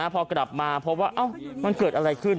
พอกลับมาพบว่ามันเกิดอะไรขึ้น